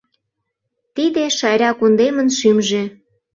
Тиде Шайра кундемын шӱмжӧ.